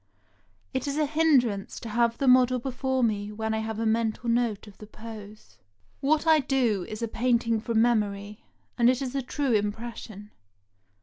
It is a hindrance to have the model before me when I have a mental note of the pose. What I do is a painting from memory, and it is a true impression.